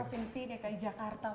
dinas sumberdaya air